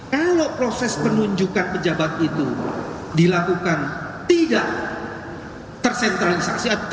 kalau proses penunjukan pejabat itu dilakukan tidak tersentralisasi